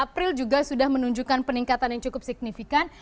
april juga sudah menunjukkan peningkatan yang cukup signifikan